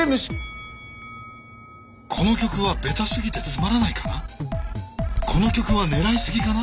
「この曲はベタすぎてつまらないかな」